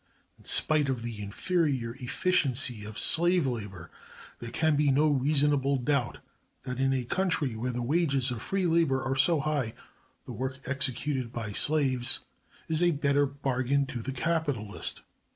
In spite of the inferior efficiency of slave labor, there can be no reasonable doubt that, in a country where the wages of free labor are so high, the work executed by slaves is a better bargain to the capitalist.